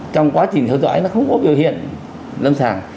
trong quá trình theo dõi nó không có biểu hiện lâm sàng